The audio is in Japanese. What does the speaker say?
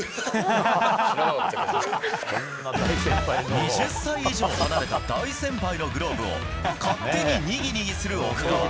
２０歳以上離れた大先輩のグローブを勝手ににぎにぎする奥川。